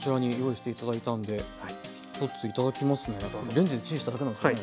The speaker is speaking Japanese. レンジでチンしただけなんですよね。